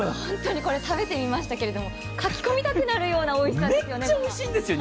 これ、食べてみましたけどかき込みたくなるおいしさですよね。